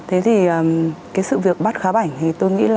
thế thì cái sự việc bắt khá bảnh